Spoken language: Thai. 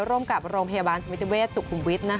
ร่วมกับโรงพยาบาลสมิติเวศสุขุมวิทย์